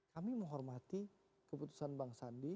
kami menghormati keputusan bang sandi